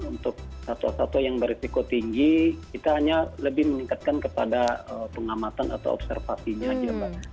untuk satwa satwa yang berisiko tinggi kita hanya lebih meningkatkan kepada pengamatan atau observasinya aja mbak